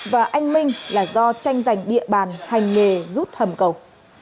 và anh minh là do tranh giành địa bàn hành nghề rút hầm cầu